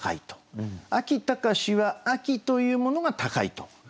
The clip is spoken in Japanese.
「秋高し」は秋というものが高いと。